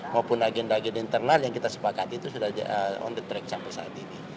maupun agenda agenda internal yang kita sepakati itu sudah on the track sampai saat ini